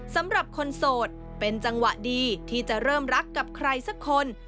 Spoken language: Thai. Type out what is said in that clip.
สำหรับคนโสดเป็นจังหวะดีที่จะเริ่มรักกับใครสักคน